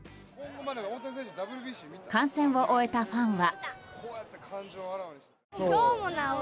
観戦を終えたファンは。